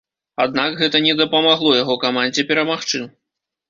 Аднак гэта не дапамагло яго камандзе перамагчы.